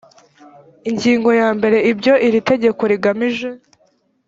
ingingo ya mbere ibyo iri tegeko rigamije